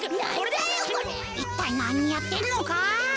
いったいなにやってんのか？